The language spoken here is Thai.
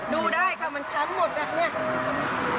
ดูได้ค่ะมันฉั้นหมดอย่างนี้